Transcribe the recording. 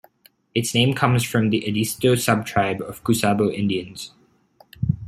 Its name comes from the Edisto subtribe of the Cusabo Indians.